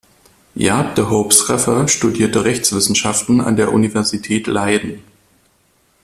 Jaap de Hoop Scheffer studierte Rechtswissenschaften an der Universität Leiden.